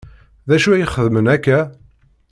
D acu ay xeddmen akka?